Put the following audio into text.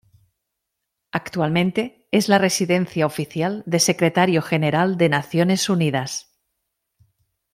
Actualmente es la residencia oficial de Secretario General de Naciones Unidas.